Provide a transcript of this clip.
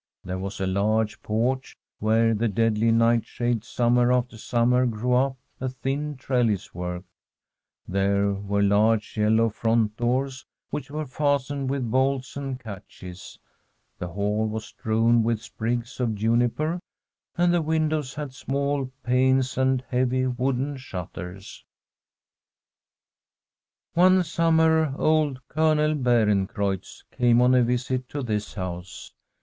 There was a large porch, where the deadly night shade summer after summer grew up a thin trelliswork ; there were large, yellow front doors, which were fastened with bolts and catches ; the hall was strewn with sprigs of juniper, and the windows had small panes and heavy wooden shutters. One summer old Colonel Beerencreutz came on a visit to this house.